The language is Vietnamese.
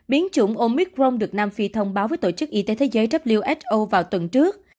biến chủng omicron được nam phi thông báo với tổ chức y tế thế giới who vào tuần trước